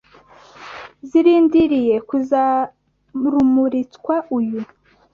Zirindiriye kuzarumuritswa uyu